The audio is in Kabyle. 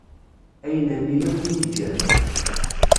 Ayen-nni akk i yi-iǧǧan.